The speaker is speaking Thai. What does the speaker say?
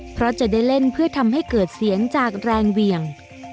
เพราะจะได้เล่นเพื่อทำให้เกิดเสียงจากแรงเหวี่ยง